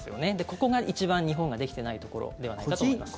ここが一番日本ができてないところではないかと思います。